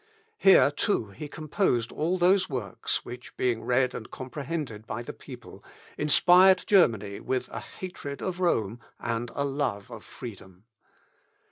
Here too, he composed all those works which, being read and comprehended by the people, inspired Germany with a hatred of Rome and a love of freedom.